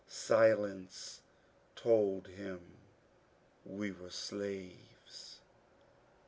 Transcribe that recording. Silence told him we were slaves.